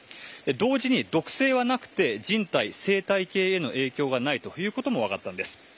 同時に毒性はなくて人体・生態系への影響がないということも分かったんです。